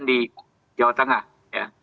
jadi itu akan di jawa tengah ya